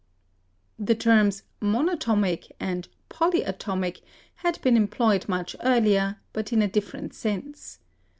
The terms "monatomic" and "polyatomic" had been em ployed much earlier, but in a different sense.